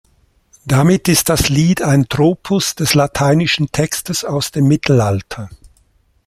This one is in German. Damit ist das Lied ein Tropus des lateinischen Textes aus dem Mittelalter.